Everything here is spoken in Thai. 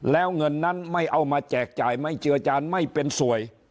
แล้วเงินนั้นไม่เอามาแจกจ่ายไม่เจือจานไม่เป็นสวย